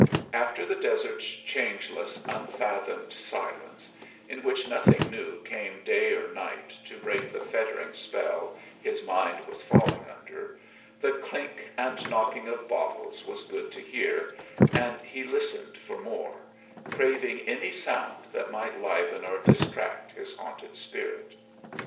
After the desert's changeless, unfathomed silence, in which nothing new came day or night to break the fettering spell his mind was falling under, the clink and knocking of bottles was good to hear, and he listened for more, craving any sound that might liven or distract his haunted spirit.